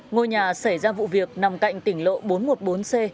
ngôi nhà xảy ra vụ việc nằm cạnh tỉnh lộ bốn trăm một mươi bốn c